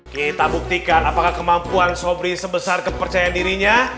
kita buktikan apakah kemampuan sobri sebesar kepercayaan dirinya